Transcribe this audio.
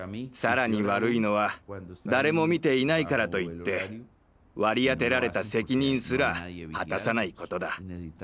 さらに悪いのは誰も見ていないからといって割り当てられた責任すら果たさないことだ。